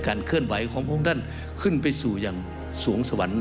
การเคลื่อนไหวของพวกนั้นขึ้นไปสู่อย่างสวงสวรรค์